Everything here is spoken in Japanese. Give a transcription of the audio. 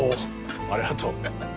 ありがとう。